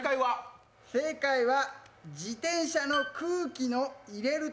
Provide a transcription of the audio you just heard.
正解は？